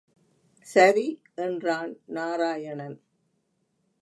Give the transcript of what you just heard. சரி என்றான் நாராயணன்.